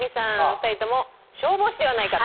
２人とも、消防士ではないかと。